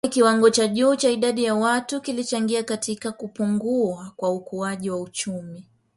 Kwani kiwango cha juu cha idadi ya watu kilichangia katika kupungua kwa ukuaji wa uchumi.